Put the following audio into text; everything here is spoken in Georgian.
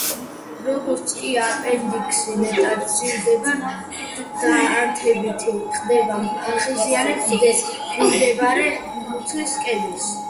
როგორც კი აპენდიქსი მეტად სივდება და ანთებითი ხდება, აღიზიანებს მიმდებარე მუცლის კედელს.